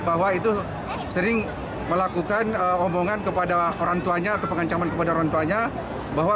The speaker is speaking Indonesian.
bahwa itu sering melakukan omongan kepada orang tuanya atau pengancaman kepada orang tuanya bahwa